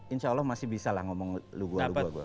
insya allah masih bisa lah ngomong lu gua lu gua gua